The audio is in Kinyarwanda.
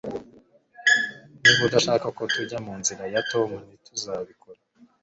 Niba udashaka ko tujya munzira ya Tom ntituzabikora